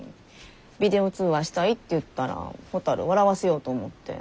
ビデオ通話したいって言ったらほたる笑わせようと思って。